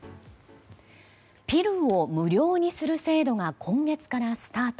ピルを無料にする制度が今月からスタート。